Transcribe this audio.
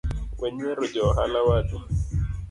Wenyiero johala wadu